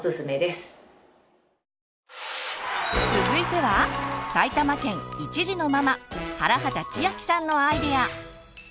続いては埼玉県１児のママ原畠千晃さんのアイデア！